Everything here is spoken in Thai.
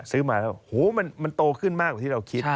ซื้อมาแล้วมันโตขึ้นมากกว่าที่เราคิด